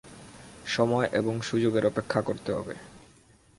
সময় এবং সুযোগের অপেক্ষা করতে হবে।